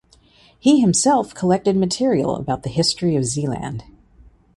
He himself collected material about the history of Zeeland.